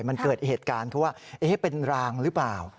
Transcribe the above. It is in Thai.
มันเกิดเหตุการณ์เขาว่าเป็นรางหรือเปล่า